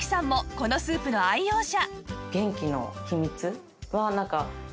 このスープの愛用者